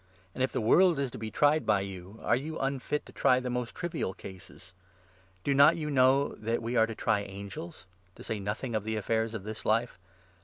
And if the world is to be tried by you, are you unfit to try the most trivial cases ? Do not you know that we are 3 to try angels — to say nothing of the affairs of this life